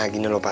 gini dulu pak